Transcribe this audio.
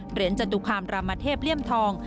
เหรียญจตุคามรามเทพเลี่ยมทอง